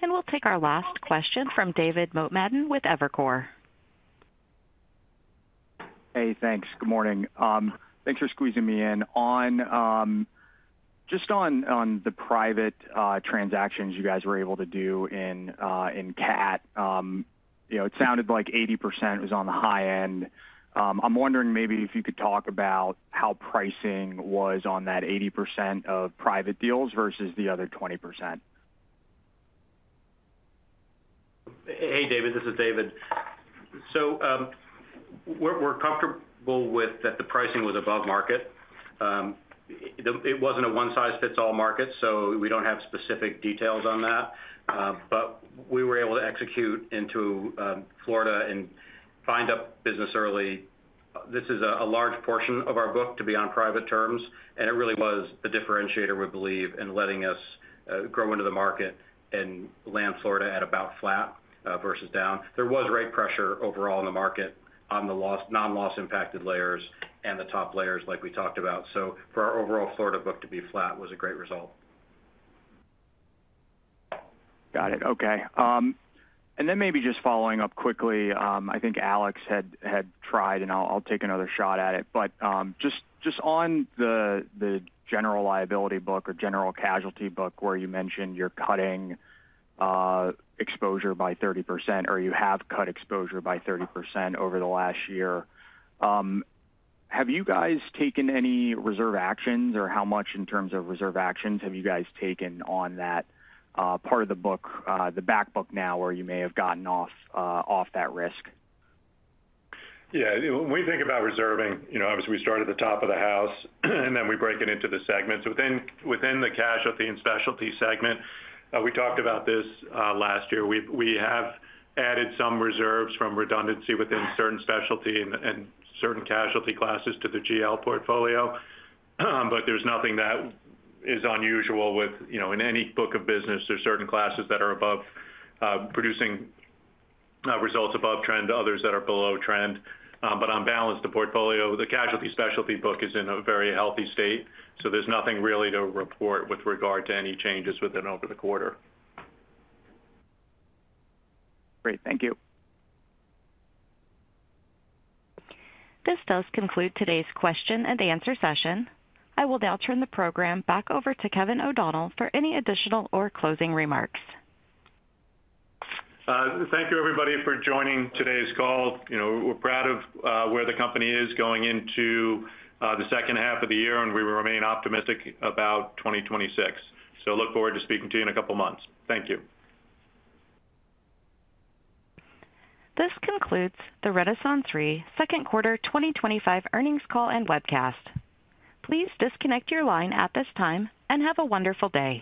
We will take our last question from David Keneth Motemaden with Evercore. Hey, thanks. Good morning. Thanks for squeezing me in. Just on the private transactions you guys were able to do in cat. It sounded like 80% was on the high end. I'm wondering maybe if you could talk about how pricing was on that 80% of private deals versus the other 20%. Hey, David. This is David. We're comfortable with that the pricing was above market. It wasn't a one-size-fits-all market, so we don't have specific details on that. We were able to execute into Florida and find up business early. This is a large portion of our book to be on private terms, and it really was the differentiator, we believe, in letting us grow into the market and land Florida at about flat versus down. There was rate pressure overall in the market on the non-loss impacted layers and the top layers like we talked about. For our overall Florida book to be flat was a great result. Got it. Okay. Maybe just following up quickly, I think Alex had tried, and I'll take another shot at it. Just on the general liability book or general casualty book where you mentioned you're cutting exposure by 30% or you have cut exposure by 30% over the last year. Have you guys taken any reserve actions or how much in terms of reserve actions have you guys taken on that part of the book, the back book now where you may have gotten off that risk? Yeah. When we think about reserving, obviously, we start at the top of the house, and then we break it into the segments. Within the Casualty and Specialty segment, we talked about this last year. We have added some reserves from redundancy within certain specialty and certain casualty classes to the GL portfolio. There is nothing that is unusual within any book of business. There are certain classes that are producing results above trend, others that are below trend. On balance, the portfolio, the casualty specialty book, is in a very healthy state. There is nothing really to report with regard to any changes within over the quarter. Great. Thank you. This does conclude today's question and answer session. I will now turn the program back over to Kevin O’Donnell for any additional or closing remarks. Thank you, everybody, for joining today's call. We're proud of where the company is going into the second half of the year, and we will remain optimistic about 2026. I look forward to speaking to you in a couple of months. Thank you. This concludes the RenaissanceRe Second Quarter 2025 Earnings Call and Webcast. Please disconnect your line at this time and have a wonderful day.